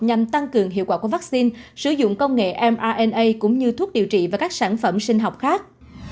nhằm tăng cường hiệu quả của vaccine sử dụng công nghệ mrna cũng như thuốc điều trị và các sản phẩm sinh học khác